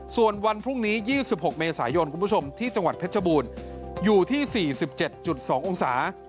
ส่วนวันพรุ่งนี้๒๖เมษายนคุณผู้ชมที่จังหวัดเพชรบูรณ์อยู่ที่๔๗๒องศา